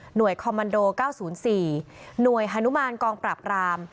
หน่วยคอมมันโด๙๐๔หน่วยหนุ่มานกองปราบราม